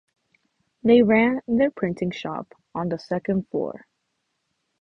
They ran their printing shop on the second-floor.